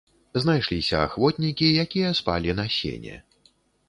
Знайшліся ахвотнікі, якія спалі на сене.